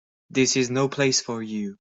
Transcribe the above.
This is no place for you.